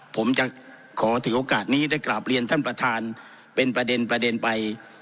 ผมจะขอถือโอกาสนี้ได้กราบเรียนท่านประธานเป็นประเด็นประเด็นไป